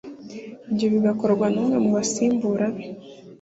Ibyo bigakorwa n’umwe mu basimbura be